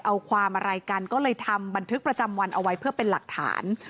เอาความอะไรกันก็เลยทำบันทึกประจำวันเอาไว้เพื่อเป็นหลักฐาน